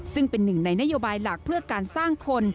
ซึ่งเป็นหนึ่งในนโยบายหลักเพื่อการสร้างคน